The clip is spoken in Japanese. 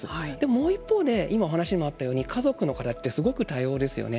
もう一方で今お話にもあったように家族の形ってすごく多様ですよね。